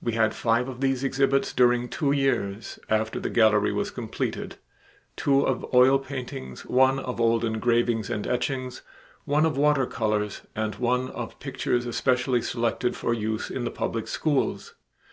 We had five of these exhibits during two years, after the gallery was completed: two of oil paintings, one of old engravings and etchings, one of water colors, and one of pictures especially selected for use in the public schools.